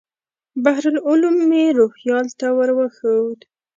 بحر العلوم مې روهیال ته ور وښود.